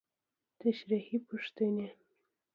تشريحي پوښتنې: